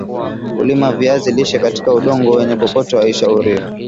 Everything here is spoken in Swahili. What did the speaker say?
kulima viazi lishe katika udongo wenye kokoto haishauriwi